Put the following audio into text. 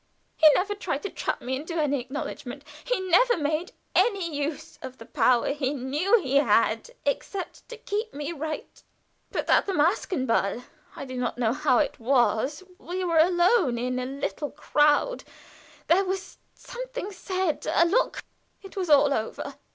He never tried to trap me into any acknowledgment. He never made any use of the power he knew he had except to keep me right. But at the Maskenball I do not know how it was we were alone in all the crowd there was something said a look. It was all over.